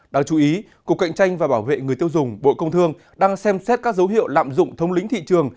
đáng chú ý cục cạnh tranh và bảo vệ người tiêu dùng bộ công thương đang xem xét các dấu hiệu lạm dụng thông lĩnh thị trường